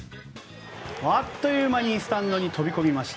あっという間にスタンドに飛び込みました。